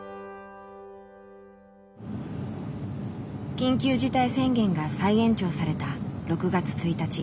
緊急事態宣言が再延長された６月１日。